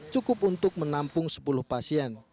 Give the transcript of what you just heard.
cukup untuk menampung sepuluh pasien